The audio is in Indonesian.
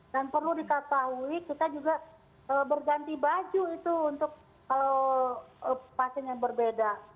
dan perlu diketahui kita juga berganti baju itu untuk pasien yang berbeda